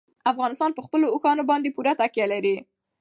افغانستان په خپلو اوښانو باندې پوره تکیه لري.